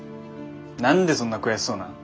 何でそんな悔しそうなん？